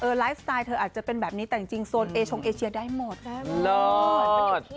ไลฟ์สไตล์เธออาจจะเป็นแบบนี้แต่จริงโซนเอชงเอเชียได้หมดได้ไหม